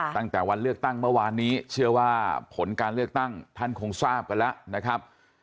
ตั้งแต่วันเลือกตั้งเมื่อวานนี้เชื่อว่าผลการเลือกตั้งท่านคงทราบกันแล้วนะครับ